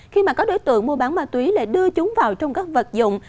khi mà các đối tượng mua bán ma túy lại đưa chúng vào trong các vật dụng